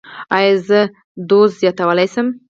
ایا زه دوز زیاتولی شم؟